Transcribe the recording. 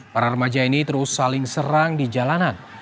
para remaja ini terus saling serang di jalanan